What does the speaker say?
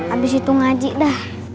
abis itu ngaji dah